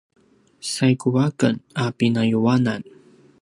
saigu a ken a pinayuanan